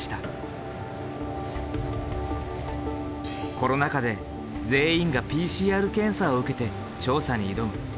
コロナ禍で全員がＰＣＲ検査を受けて調査に挑む。